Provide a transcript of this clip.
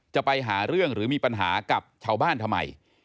จะไปหาเรื่องหรือมีปัญหากับชาวบ้านทำไม